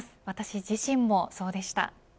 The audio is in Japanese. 私自身もそうでした。